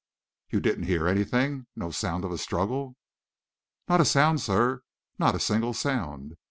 "You didn't hear anything no sound of a struggle?" "Not a sound, sir; not a single sound."